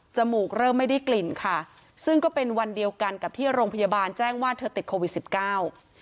มูกเริ่มไม่ได้กลิ่นค่ะซึ่งก็เป็นวันเดียวกันกับที่โรงพยาบาลแจ้งว่าเธอติดโควิดสิบเก้า